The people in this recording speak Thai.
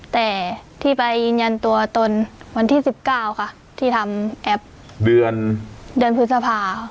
แต่ที่ไปยืนยันตัวตนวันที่๑๙ค่ะที่ทำแอป